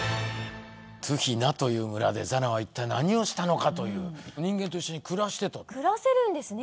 トゥヒナという村でザナは一体何をしたのかという人間と一緒に暮らしてたって暮らせるんですね